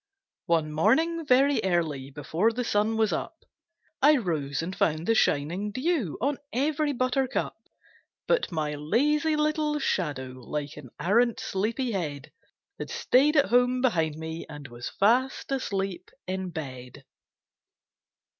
MY SHADOW [Pg 21] One morning, very early, before the sun was up, I rose and found the shining dew on every buttercup; But my lazy little shadow, like an arrant sleepy head, Had stayed at home behind me and was fast asleep in bed.